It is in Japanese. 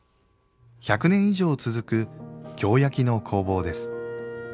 １００年以上続く京焼の工房です。